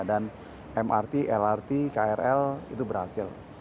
dan mrt lrt krl itu berhasil